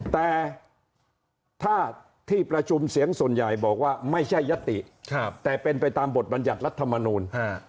แต่ถ้าที่ประชุมเสียงส่วนใหญ่บอกว่าไม่ใช่ยติแต่เป็นไปตามบทบรรยัติรัฐมนูล